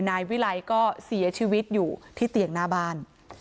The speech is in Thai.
นายวิไลก็เสียชีวิตอยู่ที่เตียงหน้าบ้าน